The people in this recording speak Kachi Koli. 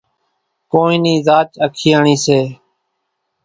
ڪونئين نِي زاچ اکياڻِي سي۔